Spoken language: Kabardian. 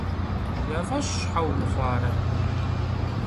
Я фӀэщ щхьэ умыхъуарэ?